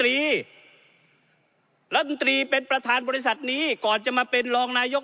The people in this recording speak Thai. รัฐมนตรีเป็นประธานบริษัทนี้ก่อนจะมาเป็นรองนายก